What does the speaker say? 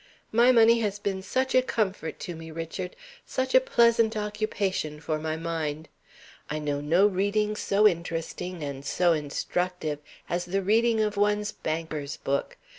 My money has been such a comfort to me, Richard; such a pleasant occupation for my mind. I know no reading so interesting and so instructive as the reading of one's Banker's Book.